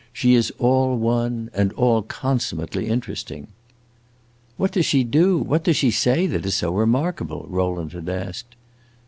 She is all one, and all consummately interesting!" "What does she do what does she say, that is so remarkable?" Rowland had asked.